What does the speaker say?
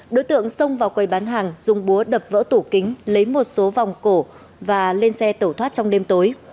đối tượng xông vào quầy bán hàng dùng búa đập vỡ tủ kính lấy một số vòng cổ và lên xe tẩu thoát trong đêm tối